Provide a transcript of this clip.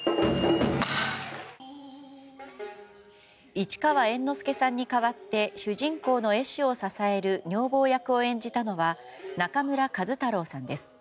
市川猿之助さんに代わって主人公の絵師を支える女房役を演じたのは中村壱太郎さんです。